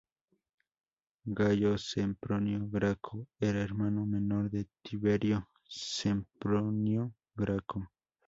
Gayo Sempronio Graco era hermano menor de Tiberio Sempronio Graco.